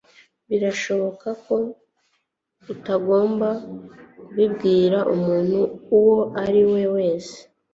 Birashoboka ko utagomba kubibwira umuntu uwo ari we wese.